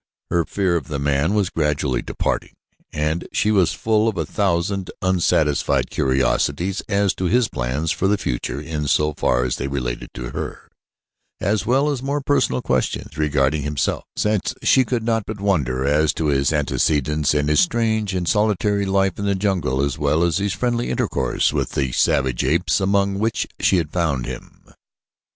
Her fear of the man was gradually departing, and she was full of a thousand unsatisfied curiosities as to his plans for the future in so far as they related to her, as well as more personal questions regarding himself, since she could not but wonder as to his antecedents and his strange and solitary life in the jungle, as well as his friendly intercourse with the savage apes among which she had found him.